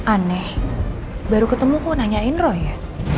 aneh baru ketemu kok nanyain roy ya